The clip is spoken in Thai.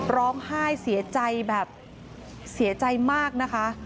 ร้องไห้เสียใจแบบเสียใจมากนะคะ